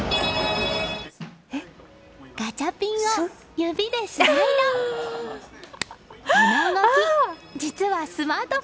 ガチャピンを指でスライド。